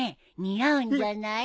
似合うんじゃない？